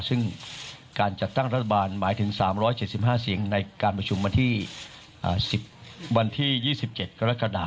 ซึ่งการจัดตั้งจักรบรรษบาลหมายถึง๓๗๕เสียงในการพอร์ตชุมวันที่๒๗กรกฎานะครับ